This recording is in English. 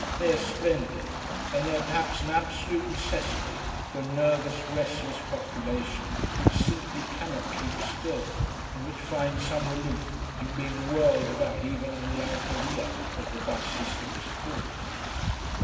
They are splendid and they are perhaps an absolute necessity for a nervous restless population which simply cannot keep still, and which finds some relief in being whirled about even on the autovie, as the bus system is called.